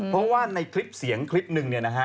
เพราะว่าในคลิปเสียงคลิปหนึ่ง